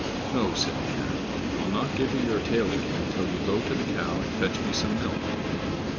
"No," said the Cat, "I'll not give you your tail again till you go to the cow and fetch me some milk."